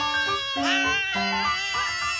はい！